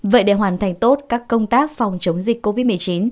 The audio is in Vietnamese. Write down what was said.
vậy để hoàn thành tốt các công tác phòng chống dịch covid một mươi chín